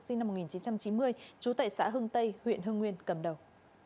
sinh năm một nghìn chín trăm chín mươi trú tại xã hưng tây huyện hưng nguyên cầm đầu